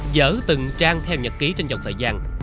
dở từng trang theo nhật ký trên dòng thời gian